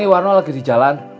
ini warno lagi di jalan